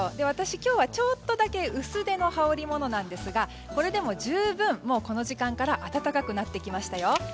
私、今日はちょっとだけ薄手の羽織りですがこれでも十分この時間から暖かくなってきましたよ。